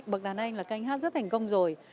là cái anh hát rất thành công rồi